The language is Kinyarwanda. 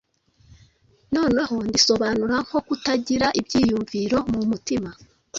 none ndisobanura nko kutagira ibyiyumviro mu mutima,